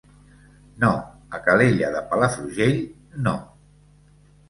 No, a Calella de Palafrugell no.